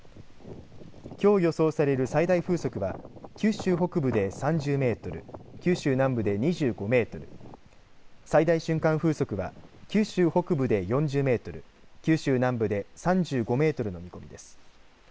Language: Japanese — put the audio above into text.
きょう予想される最大風速は九州北部で３０メートル、九州南部で２５メートル、最大瞬間風速は九州北部で４０メートル、九州南部で３５メートルの見込みです。